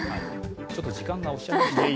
ちょっと時間が押しちゃいました。